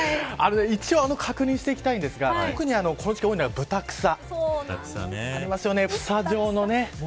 一応、確認していきたいんですが特にこの時期多いのはブタクサ、ありますよね。